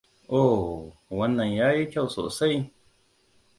Oh! Wannan yayi kyau sosai!